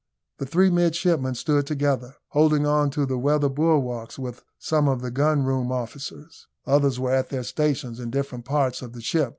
The three midshipmen stood together, holding on to the weather bulwarks with some of the gun room officers. Others were at their stations in different parts of the ship.